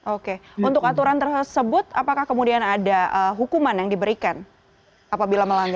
oke untuk aturan tersebut apakah kemudian ada hukuman yang diberikan apabila melanggar